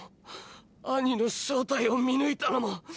アニの正体を見抜いたのも。